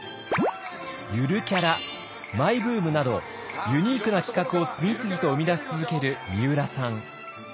「ゆるキャラ」「マイブーム」などユニークな企画を次々と生み出し続けるみうらさん。